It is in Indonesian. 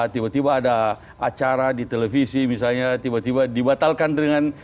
tiba tiba ada acara di televisi misalnya tiba tiba dibatalkan dengan